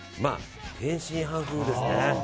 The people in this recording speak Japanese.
天津飯風ですね。